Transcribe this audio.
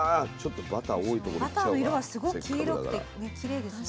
バターの色はすごい黄色くてきれいですね